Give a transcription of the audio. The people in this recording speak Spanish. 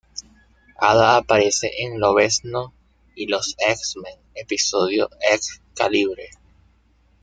Hada aparece en "Lobezno y los X-Men", episodio "X-Calibre".